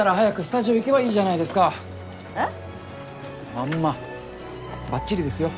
まんまばっちりですよ。